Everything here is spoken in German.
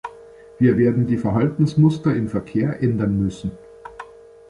Wir werden die Verhaltensmuster im Verkehr ändern müssen.